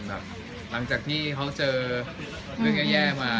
หลังจากที่เขาเจอเรื่องแย่มา